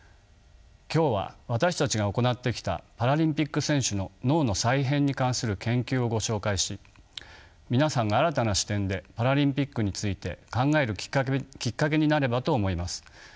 今日は私たちが行ってきたパラリンピック選手の「脳の再編」に関する研究をご紹介し皆さんが新たな視点でパラリンピックについて考えるきっかけになればと思います。